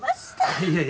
いやいや。